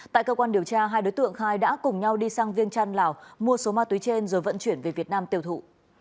tại cơ quan điều tra hai đối tượng khai đã cùng nhau đi sang viên trăn lào mua số ma túy trên rồi vận chuyển về việt nam tiêu thụ